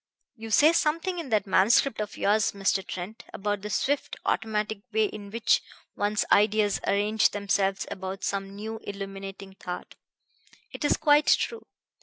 "You say something in that manuscript of yours, Mr. Trent, about the swift, automatic way in which one's ideas arrange themselves about some new, illuminating thought. It is quite true.